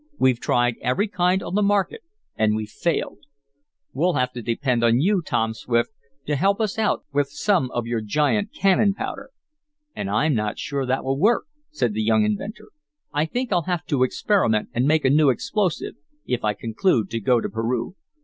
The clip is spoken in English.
We've tried every kind on the market and we've failed. We'll have to depend on you, Tom Swift, to help us out with some of your giant cannon powder." "And I'm not sure that will work," said the young inventor. "I think I'll have to experiment and make a new explosive, if I conclude to go to Peru."